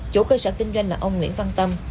chủ cơ sở kinh doanh là ông nguyễn văn tâm